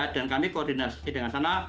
dan kami koordinasi dengan sana